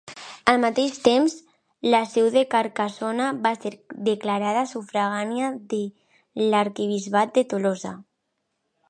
Al mateix temps, la seu de Carcassona va ser declarada sufragània de l'arquebisbat de Tolosa.